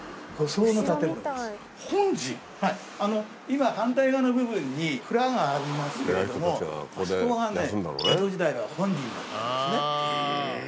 今反対側の部分に蔵がありますけれどもあそこがね江戸時代では本陣だったんですね。